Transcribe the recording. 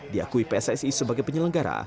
diakui pssi sebagai penyelenggara